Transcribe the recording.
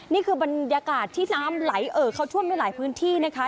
นี่คือบรรยากาศที่น้ำไหลเอ่อเข้าท่วมในหลายพื้นที่นะคะ